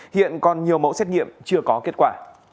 hiện còn nhiều mẫu xét nghiệm chưa có kết quả